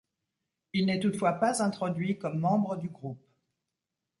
Il n'est toutefois pas introduit comme membre du groupe.